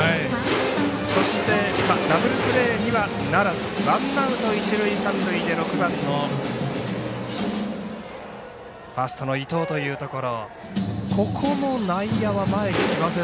そしてダブルプレーにはならずワンアウト、一塁、三塁で６番のファーストの伊藤というところ。